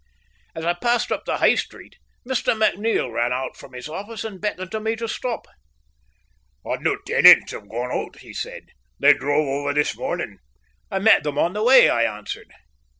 As I passed up the High Street, Mr. McNeil ran out from his office and beckoned to me to stop. "Our new tenants have gone out," he said. "They drove over this morning." "I met them on the way," I answered.